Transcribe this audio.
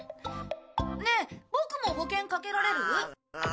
ねえボクも保険かけられる？